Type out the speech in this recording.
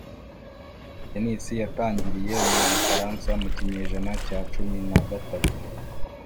tennis yatangiriye mu bufaransa mu kinyejana cya cumi na gatatu.